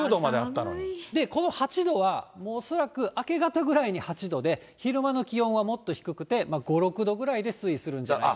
この８度は、恐らく明け方ぐらいに８度で、昼間の気温はもっと低くて５、６度ぐらいで推移するんじゃないかと。